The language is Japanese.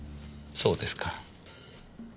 そうですか。